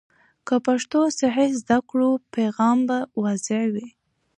که پښتو صحیح زده کړو، پیغام به واضح وي.